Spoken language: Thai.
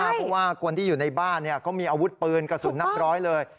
เพราะว่าคนที่อยู่ในบ้านก็มีอาวุธปืนกระสุนนับร้อยเลย